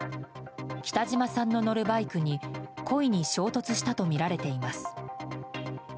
北島さんの乗るバイクに故意に衝突したとみられています。